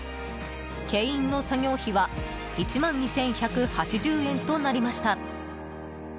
牽引の作業費は１万２１８０円となりました。